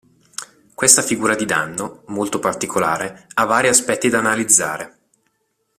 Questa figura di danno, molto particolare, ha vari aspetti da analizzare.